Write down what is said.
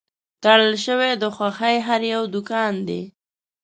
تړل شوی د خوښۍ هر یو دوکان دی